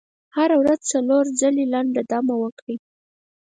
هره ورځ څلور ځلې لنډه دمه وکړئ.